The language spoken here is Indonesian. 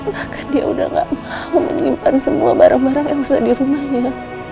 bahkan dia sudah tidak mau menyimpan semua barang barang elsa di rumahnya